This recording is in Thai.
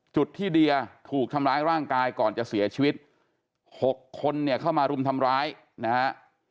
จุดที่เดียถูกทำร้ายร่างกายก่อนจะเสียชีวิต๖คนเนี่ยเข้ามารุมทำร้ายนะฮะ